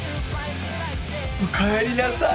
おかえりなさい。